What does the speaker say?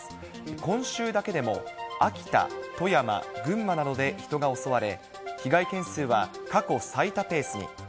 今週だけでも秋田、富山、群馬などで人が襲われ、被害件数は過去最多ペースに。